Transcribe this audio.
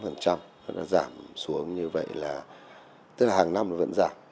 hai mươi tám nó đã giảm xuống như vậy là tức là hàng năm nó vẫn giảm